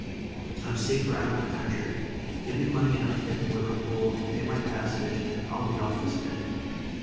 I'm safer out of the country. Give me money enough to get to Liverpool and pay my passage, and I'll be off this minute."